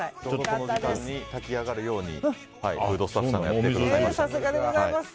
この時間に炊き上がるようにフードスタッフさんがやってくれてます。